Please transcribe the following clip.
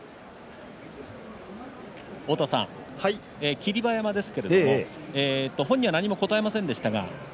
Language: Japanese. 霧馬山ですけど本人は何も答えませんでした。